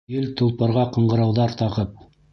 Ел-толпарға ҡыңғырауҙар тағып!